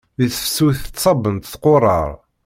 Di tefsut ttṣabent tquṛaṛ.